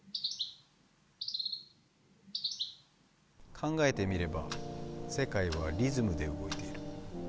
考えてみれば世界はリズムで動いている。